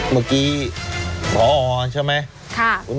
เมื่อกี้พอใช่ไหม